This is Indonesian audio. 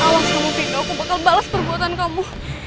awas kamu pika aku bakal balas perbuatan kamu